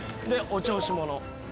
お調子者⁉